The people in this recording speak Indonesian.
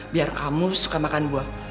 biar kamu suka makan buah